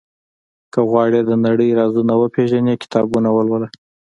• که غواړې د نړۍ رازونه وپېژنې، کتابونه ولوله.